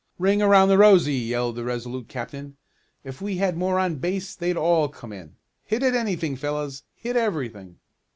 "Ring around the rosey!" yelled the Resolute captain. "If we had more on base they'd all come in. Hit at anything, fellows! Hit everything."